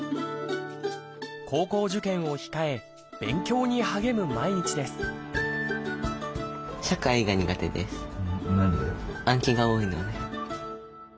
高校受験を控え勉強に励む毎日です何で？